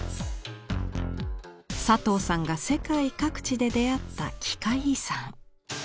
佐藤さんが世界各地で出会った「奇界遺産」。